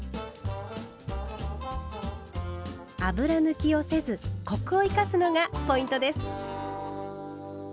油抜きをせずコクを生かすのがポイントです。